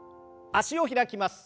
脚を開きます。